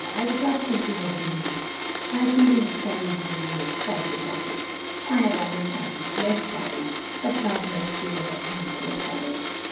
I was not thinking of Denis. My feelings carried me away, " cried the Duchess. " I have other sons, less wise, but not less dear than he, poor fellows.